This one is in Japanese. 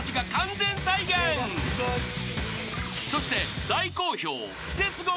［そして］